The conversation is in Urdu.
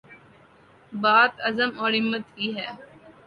بات عزم اور ہمت کی ہے۔